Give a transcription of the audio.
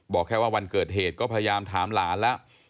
บอกแค่ว่าวันเกิดเหตุก็พยายามถามหลานแล้ว